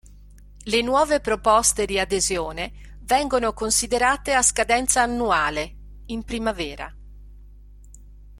Le nuove proposte di adesione vengono considerate a scadenza annuale, in primavera.